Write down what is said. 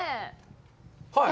はい。